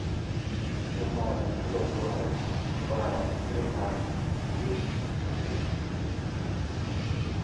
Demora duas horas para treinar este modelo.